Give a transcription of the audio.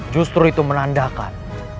justru itu menandakan